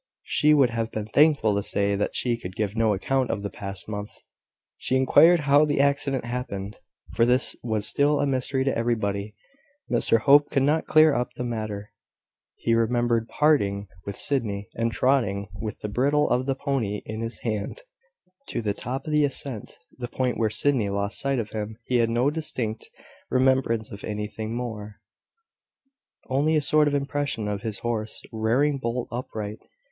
She would have been thankful to say that she could give no account of the past month. She inquired how the accident happened; for this was still a mystery to everybody. Mr Hope could not clear up the matter: he remembered parting with Sydney, and trotting, with the bridle of the pony in his hand, to the top of the ascent, the point where Sydney lost sight of him: he had no distinct remembrance of anything more, only a sort of impression of his horse rearing bolt upright.